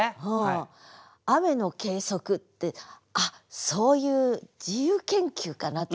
「雨の計測」って「あっそういう自由研究かな？」と。